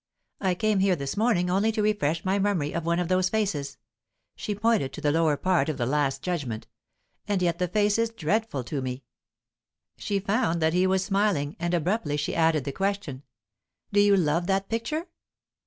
I came here this morning only to refresh my memory of one of those faces" she pointed to the lower part of the Last Judgment "and yet the face is dreadful to me." She found that he was smiling, and abruptly she added the question: "Do you love that picture?"